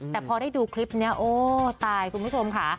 แต่พอได้ดูคลิปนี้โอ้ตายคุณผู้ชมค่ะ